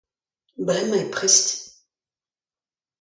Bremañ eo prest!